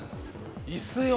椅子よ。